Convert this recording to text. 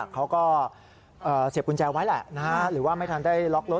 เขาก็เสียบกุญแจไว้แหละหรือว่าไม่ทันได้ล็อกรถ